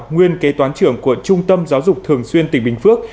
nguyên kế toán trưởng của trung tâm giáo dục thường xuyên tỉnh bình phước